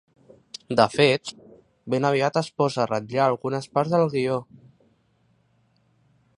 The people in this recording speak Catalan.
De fet, ben aviat es posa a ratllar algunes parts del guió.